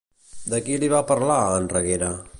De qui li va parlar, en Reguera?